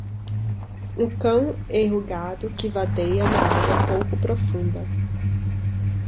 Um cão enrugado que vadeia na água pouco profunda.